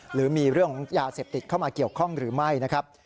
หรือมีเรื่องของยาเสพติดเข้ามาเกี่ยวข้องหรือไม่นะครับ